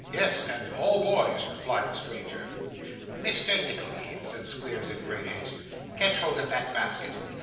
'Yes, and all boys,' replied the stranger. 'Mr. Nickleby,' said Squeers, in great haste, 'catch hold of that basket.